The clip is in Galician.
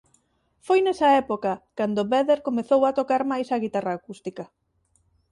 Foi nesa época cando Vedder comezou a tocar máis a guitarra acústica.